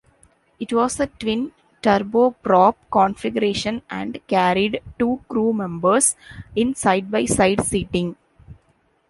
It was a twin turboprop configuration, and carried two crew members in side-by-side seating.